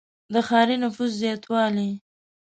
• د ښاري نفوس زیاتوالی.